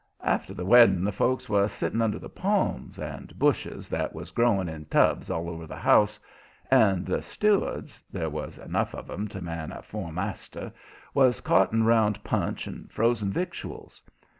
After the wedding the folks was sitting under the palms and bushes that was growing in tubs all over the house, and the stewards there was enough of 'em to man a four master was carting 'round punch and frozen victuals.